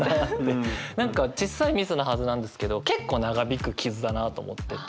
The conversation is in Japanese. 何かちっさいミスなはずなんですけど結構長引く傷だなと思ってて。